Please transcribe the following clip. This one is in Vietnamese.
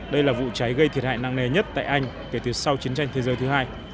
đây là vụ cháy gây thiệt hại năng nề nhất tại anh kể từ sau chiến tranh thế giới thứ hai